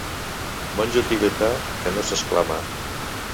Monjo tibetà que no s'exclama.